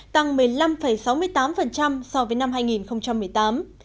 tăng một mươi năm sáu mươi tám so với năm hai nghìn một mươi tám